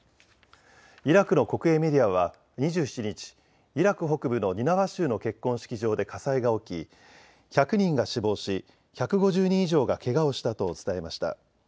イラクの国営メディアは２７日、イラク北部のニナワ州の結婚式場で火災が起き１００人が死亡し１５０人以上がけがをしたと伝えました。